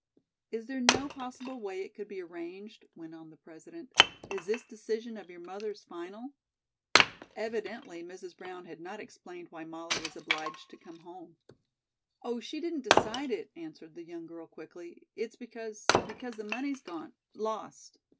"Is there no possible way it could be arranged?" went on the President. "Is this decision of your mother's final?" Evidently Mrs. Brown had not explained why Molly was obliged to come home. "Oh, she didn't decide it," answered the young girl, quickly. "It's because because the money's gone lost."